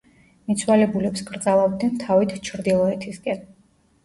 მიცვალებულებს კრძალავდნენ თავით ჩრდილოეთისკენ.